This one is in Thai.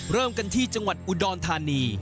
เริ่มกันที่จังหวัดอุดรธานี